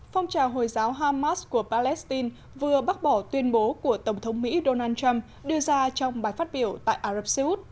phong trào hồi giáo hamas của palestine vừa bác bỏ tuyên bố của tổng thống mỹ donald trump đưa ra trong bài phát biểu tại ả rập xê út